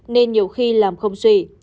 nên nhiều khi làm không suy